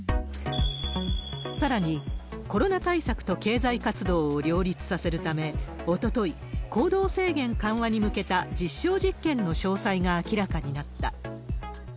さらに、コロナ対策と経済活動を両立させるため、おととい、行動制限緩和に向けた実証実験の詳細が明らかになった。